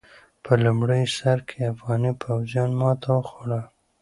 په لومړي سر کې افغاني پوځيانو ماته وخوړه.